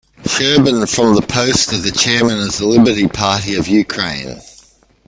Scherban from post of the Chairman of the Liberty Party of Ukraine.